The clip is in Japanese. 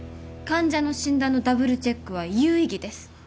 患者の診断のダブルチェックは有意義です。